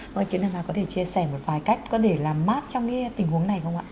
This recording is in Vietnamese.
vâng ạ chị đăng hà có thể chia sẻ một vài cách có thể làm mát trong tình huống này không ạ